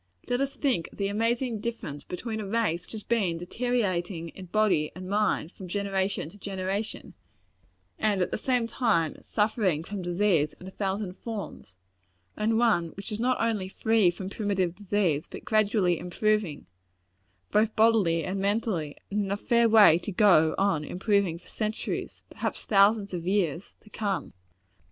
Let us think of the amazing difference between a race which has been deteriorating in body and mind, from generation to generation, and at the same time suffering from disease in a thousand forms, and one which is not only free from primitive disease, but gradually improving, both bodily and mentally, and in a fair way to go on improving for centuries perhaps thousands of years to come!